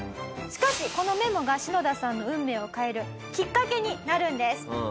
しかしこのメモがシノダさんの運命を変えるきっかけになるんです。